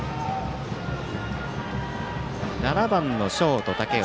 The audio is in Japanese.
７番のショート竹内。